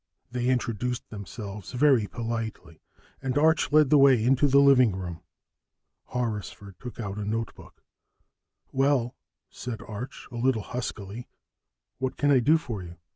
They introduced themselves very politely, and Arch led the way into the living room. Horrisford took out a notebook. "Well," said Arch a little huskily, "what can I do for you?"